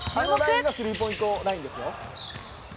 「あのラインがスリーポイントラインですよ」